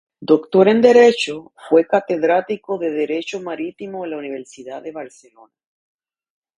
Doctor en Derecho, fue catedrático de Derecho Marítimo en la Universidad de Barcelona.